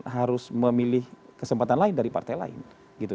harus memilih kesempatan lain dari partai lain gitu